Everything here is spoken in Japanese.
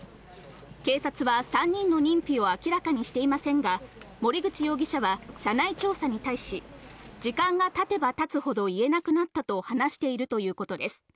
警察は３人の認否を明らかにしていませんが、森口容疑者は社内調査に対し、時間が経てば経つほど言えなくなったと話しているということです。